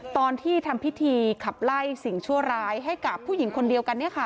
ตอนที่ทำพิธีขับไล่สิ่งชั่วร้ายให้กับผู้หญิงคนเดียวกัน